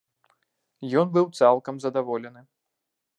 Ён быў цалкам здаволены.